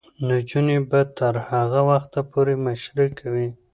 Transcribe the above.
نجونې به تر هغه وخته پورې مشري کوي.